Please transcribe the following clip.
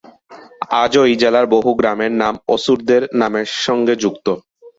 আজও এই জেলার বহু গ্রামের নাম "অসুর"-দের নামের সঙ্গে যুক্ত।